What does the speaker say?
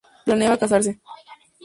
Planeaba casarse.